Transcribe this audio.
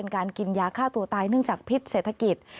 การกินยาฆ่าตัวตายเนื่องจากพิษเศรษฐกิจ